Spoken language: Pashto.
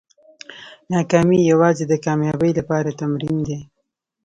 ناکامي یوازې د کامیابۍ لپاره تمرین دی.